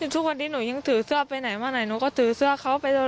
ทุกวันนี้หนูยังถือเสื้อไปไหนมาไหนหนูก็ถือเสื้อเขาไปเลย